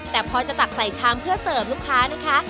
แต่พอจะตักใส่ชามเพื่อเสิร์ฟลูกค้านะคะ